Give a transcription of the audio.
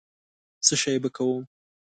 څشي به کوم.